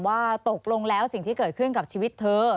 ว่าตกลงแล้วสิ่งที่เกิดขึ้นกับชีวิตเธอ